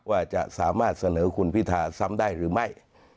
ว่าจะสามารถเสนอคุณพิธาซ้ำได้หรือไม่